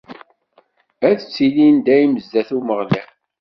Ad ttilin dayem sdat Umeɣlal.